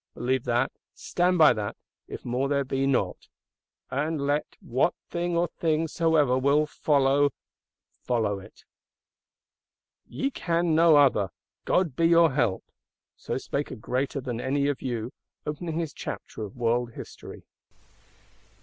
Believe that, stand by that, if more there be not; and let what thing or things soever will follow it follow. "Ye can no other; God be your help!" So spake a greater than any of you; opening his Chapter of World History.